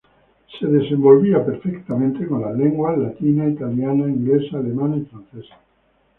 Poseía a la perfección las lenguas latina, italiana, inglesa, alemana y francesa.